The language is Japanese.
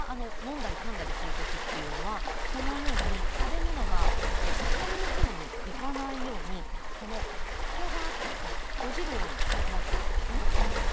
飲んだり、かんだりするときは食べ物が気管のほうにいかないようにふたがあって閉じるようになっているんです。